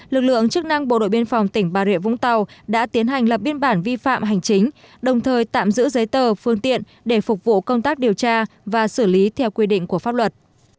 lực lượng chức năng bộ đội biên phòng tỉnh bà rịa vũng tàu đã tiến hành lập biên bản vi phạm hành chính đồng thời tạm giữ giấy tờ phương tiện để phục vụ công tác điều tra và xử lý theo quy định của pháp luật